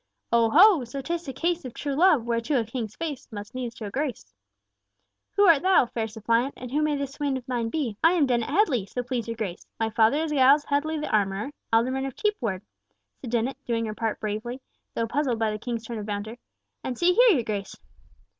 "Oh ho! So 'tis a case of true love, whereto a King's face must needs show grace. Who art thou, fair suppliant, and who may this swain of thine be?" "I am Dennet Headley, so please your Grace; my father is Giles Headley the armourer, Alderman of Cheap Ward," said Dennet, doing her part bravely, though puzzled by the King's tone of banter; "and see here, your Grace!" [Illustration: "And see here, your Grace!"